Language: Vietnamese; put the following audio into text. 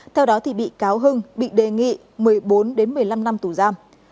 theo đó bị cáo hưng bị đề nghị một mươi bốn một mươi năm năm tù giam